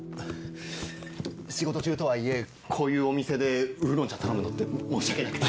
仕事中とはいえこういうお店でウーロン茶頼むのって申し訳なくて。